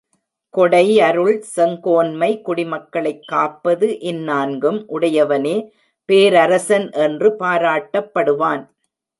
கொடை, அருள், செங்கோன்மை, குடிமக்களைக் காப்பது இந் நான்கும் உடையவனே பேரரசன் என்று பாராட்டப்படுவான்.